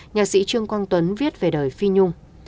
nhạc sĩ trương quang tuấn viết về đời phi nhung